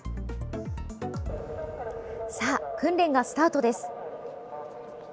さあ、訓練がスタートです。